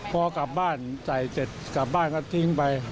พอกลับบ้านใส่เสร็จกลับบ้านก็ทิ้งไป